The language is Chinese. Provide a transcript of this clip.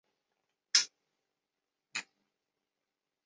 伊斯兰教最早是随宋代在上海镇经商的大食商人进入上海。